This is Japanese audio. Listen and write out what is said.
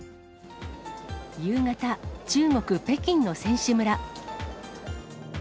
夕方、中国・北京の選手村。